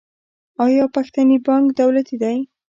آیا پښتني بانک دولتي دی؟